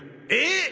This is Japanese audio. えっ！？